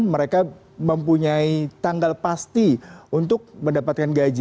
mereka mempunyai tanggal pasti untuk mendapatkan gaji